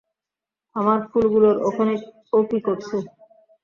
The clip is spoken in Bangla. আমার ফুলগুলোর ওখানে ও কি করছে?